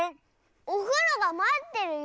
「おふろがまってるよ」！